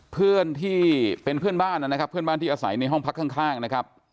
เพื่อนที่เป็นเพื่อนบ้านนะครับเพื่อนบ้านที่อาศัยในห้องพักข้างนะครับ